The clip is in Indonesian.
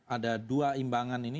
ada dua imbangan ini